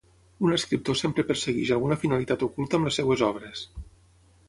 Un escriptor sempre persegueix alguna finalitat oculta amb les seves obres.